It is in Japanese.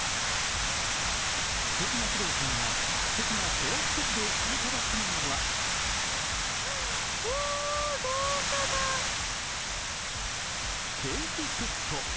すてきな工藤さんが、すてきなテラス席でいただくのはケーキセット。